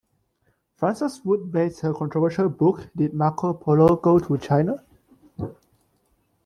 Frances Wood based her controversial book Did Marco Polo go to China?